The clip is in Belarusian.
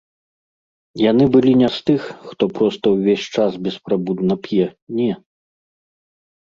Яны былі не з тых, хто проста ўвесь час беспрабудна п'е, не.